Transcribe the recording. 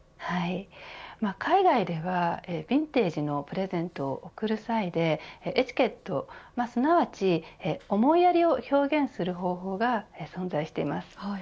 海外ではヴィンテージのプレゼントを贈る際にエチケット、すなわち思いやりを表現する方法が存在しています。